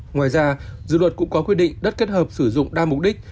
ngoài ra dự luật cũng có quy định đất kết hợp sử dụng đa mục đích